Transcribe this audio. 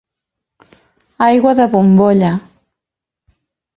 Aigua de bombolla.